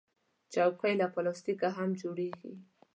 چوکۍ له پلاستیکه هم جوړیږي.